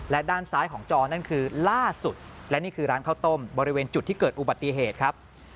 และด้านซ้ายของจอนั่นคือล่าสุดและนี่คือร้านข้าวต้มบริเวณจุดที่เกิดอุบัติเหตุครับ